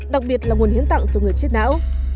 đặc biệt là nguồn hiến tặng từ người chết não